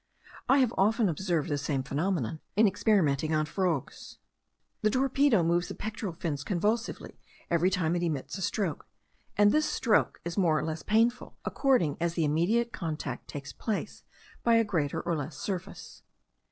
I have often observed the same phenomenon in experimenting on frogs. The torpedo moves the pectoral fins convulsively every time it emits a stroke; and this stroke is more or less painful, according as the immediate contact takes place by a greater or less surface.